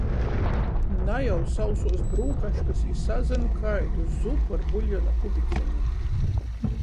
Na jau sausuos brūkaškys i sazyn kaidu zupu ar buļjona kubicenim.